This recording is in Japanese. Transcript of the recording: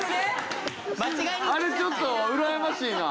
あれちょっとうらやましいな。